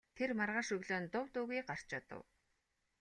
Тэр маргааш өглөө нь дув дуугүй гарч одов.